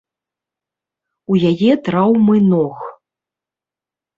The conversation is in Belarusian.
У яе траўмы ног.